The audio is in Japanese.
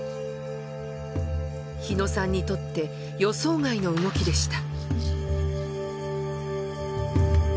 日野さんにとって予想外の動きでした。